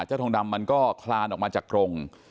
ทองดำมันก็คลานออกมาจากกรง